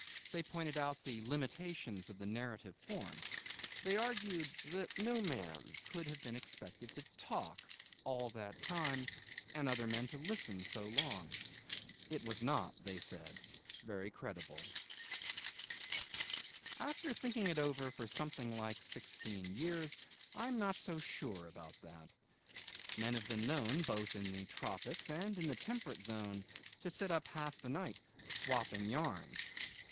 They pointed out the limitations of the narrative form. They argued that no man could have been expected to talk all that time, and other men to listen so long. It was not, they said, very credible. After thinking it over for something like sixteen years, I am not so sure about that. Men have been known, both in the tropics and in the temperate zone, to sit up half the night 'swapping yarns'.